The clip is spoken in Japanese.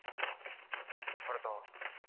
それと。